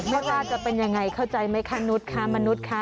ไม่ราชเป็นอย่างไรเข้าใจไหมคะนุฏค่ะมนุฏค่ะ